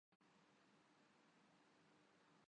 منافقت پہلے بھی تھی۔